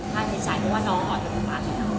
ค่าจิตชายเพราะว่าน้องออกจากประวัติศาสตร์